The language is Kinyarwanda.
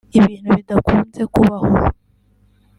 ibintu bidakunze kubaho